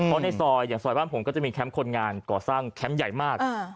เพราะในซอยอย่างซอยบ้านผมก็จะมีแคมป์คนงานก่อสร้างแคมป์ใหญ่มาก